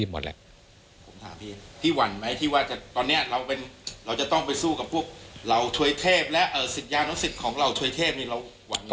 ที่หวั่นไหมที่ว่าตอนนี้เราจะต้องไปสู้กับพวกเหล่าช่วยเทพและสิทยานักศิษย์ของเหล่าช่วยเทพ